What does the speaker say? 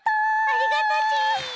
ありがとち！